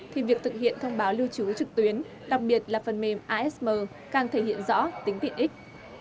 thì việc thực hiện thông báo lưu trú trực tuyến đặc biệt là phần mềm asm càng thể hiện rõ tính tiện ích